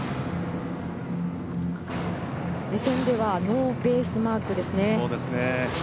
予選ではノーベースマークですね。